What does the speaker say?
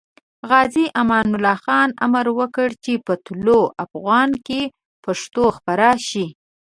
غازي امان الله خان امر وکړ چې په طلوع افغان کې پښتو خپاره شي.